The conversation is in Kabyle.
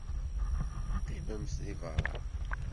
Qqimemt deg beṛṛa.